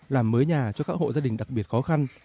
làm mới nhà cho các hộ gia đình đặc biệt khó khăn